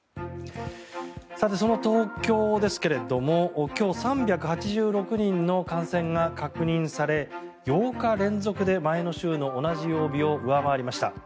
その東京ですが、今日３８６人の感染が確認され８日連続で前の週の同じ曜日を上回りました。